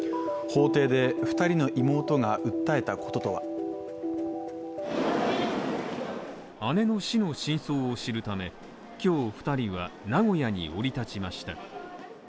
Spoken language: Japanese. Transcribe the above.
法廷で２人の妹が訴えたこととは姉の死の真相を知るため、今日２人は名古屋に降り立ちました。